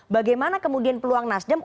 bagaimana kemudian peluang nasdem